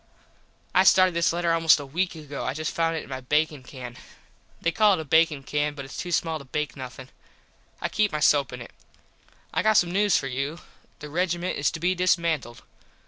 I started this letter almost a weak ago. I just found it in my bakin can. They call it a bakin can but its too small to bake nothin. I keep my soap in it. I got some news for you. The regiment is to be dismantled.